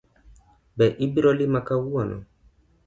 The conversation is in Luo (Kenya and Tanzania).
Be ibiro lima kawuono?